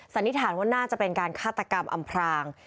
สันนิษฐานว่าน่าจะเป็นการฆาตกรรมอำพราง